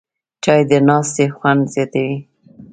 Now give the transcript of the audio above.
چای د ناستې خوند زیاتوي